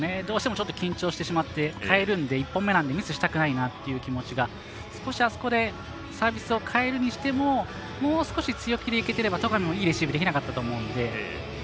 どうしても緊張してしまって変えるので１本目なのでミスしたくないなという気持ちがあそこでサービスを変えるにしてももう少し強気でいけてれば戸上もいいレシーブできなかったと思うので。